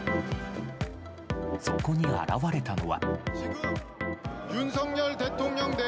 そこに現れたのは。